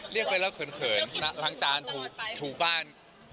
เรียกไปแล้วเขินล้างจานถูกบ้าน